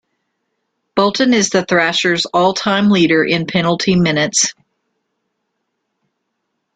Bolton is the Thrashers' all-time leader in penalty minutes.